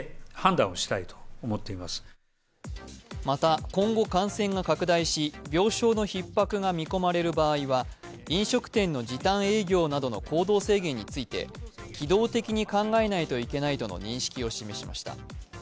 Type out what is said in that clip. また今後、感染が拡大し病床のひっ迫が見込まれる場合は飲食店の時短営業などの行動制限について機動的に考えないといけないとの認識を示しました。